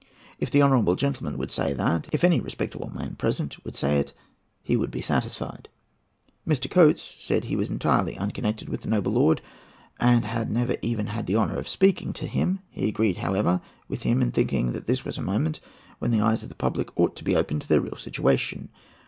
If the honourable gentleman would say that—if any respectable man present would say it—he would be satisfied. Mr. Cotes said he was entirely unconnected with the noble lord, and had never even had the honour of speaking, to him. He agreed, however, with him in thinking that this was a moment when the eyes of the public ought to be open to their real situation.